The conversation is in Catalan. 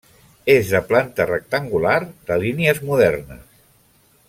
És de planta rectangular, de línies modernes.